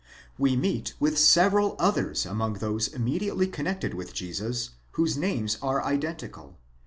We meet with several others among those immediately connected with Jesus, whose names are identical.